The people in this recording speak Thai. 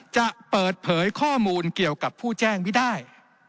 จะเปิดเผยข้อมูลเกี่ยวกับผู้แจ้งไม่ได้